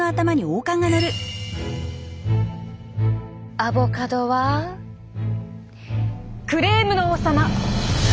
アボカドはクレームの王様。